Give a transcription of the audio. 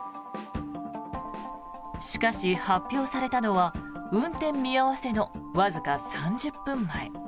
しかし、発表されたのは運転見合わせのわずか３０分前。